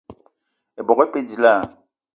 Ebok e pe dilaah?